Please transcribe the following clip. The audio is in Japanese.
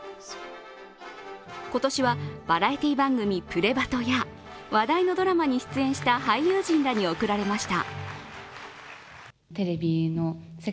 今年はバラエティー番組「プレバト！！」や話題のドラマに出演した俳優陣らに贈られました。